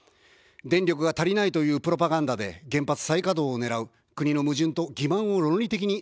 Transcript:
電力が足りないというプロパガンダで原発再稼働を狙う、国の矛盾と欺まんを論理的に暴く。